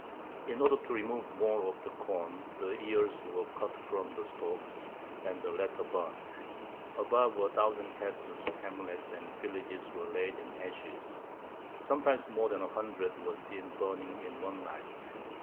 In order to remove more of the corn, the ears were cut from the stalks, and the latter burnt. Above a thousand castles, hamlets, and villages were laid in ashes; sometimes more than a hundred were seen burning in one night.